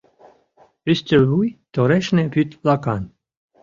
Ӱстел вуй торешне вӱд лакан.